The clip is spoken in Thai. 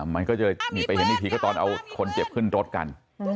มันก็จะไปเห็นอีกทีก็ตอนเอาคนเจ็บขึ้นรถกัน